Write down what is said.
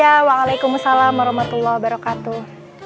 assalamualaikum waalaikumsalam warohmatullohi wabarokatuh